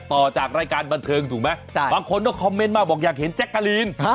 ต่อจากรายการบันเทิงถูกไหมบางคนก็คอมเมนต์มาบอกอยากเห็นแจ๊กกะลีน